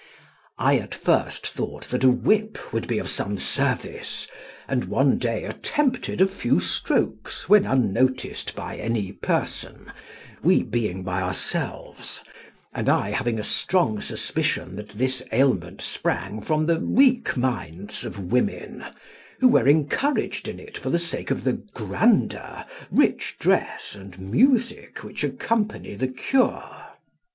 I at first thought that a whip would be of some service, and one day attempted a few strokes when unnoticed by any person, we being by ourselves, and I having a strong suspicion that this ailment sprang from the weak minds of women, who were encouraged in it for the sake of the grandeur, rich dress, and music which accompany the cure.